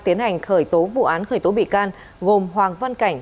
tiến hành khởi tố vụ án khởi tố bị can gồm hoàng văn cảnh